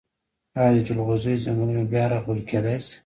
آیا د جلغوزیو ځنګلونه بیا رغول کیدی شي؟